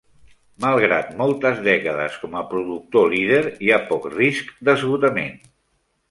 Malgrat moltes dècades com a productor líder, hi ha poc risc d'esgotament.